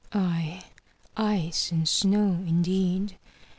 "Aye, ice and snow indeed!